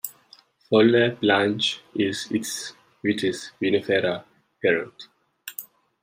Folle blanche is its "Vitis vinifera" parent.